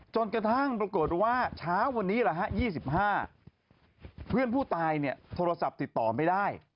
จนกระทั่งปรากฏว่าเช้าวันนี้๒๕เพื่อนผู้ตายเนี่ยโทรศัพท์ติดต่อไม่ได้